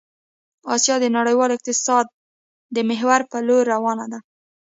آسيا د نړيوال اقتصاد د محور په لور روان ده